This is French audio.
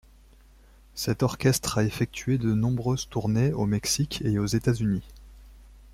Cet orchestre a effectué de nombreuses tournées au Mexique et aux États-Unis.